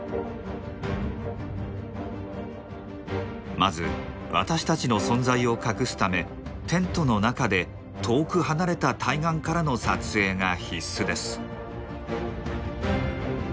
まず私たちの存在を隠すためテントの中で遠く離れた対岸からの撮影が必須です。